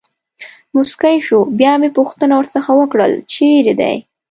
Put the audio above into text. مسکی شو، بیا مې پوښتنه ورڅخه وکړل: چېرې دی.